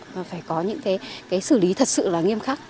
và phải có những cái xử lý thật sự là nghiêm khắc